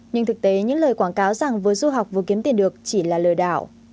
nhưng thực tế những lời quảng cáo rằng vừa du học vừa kiếm tiền được chỉ là lừa đảo